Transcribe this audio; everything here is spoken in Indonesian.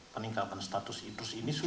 peningkapan status idrus ini